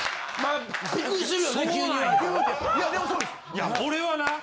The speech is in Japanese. いや俺はな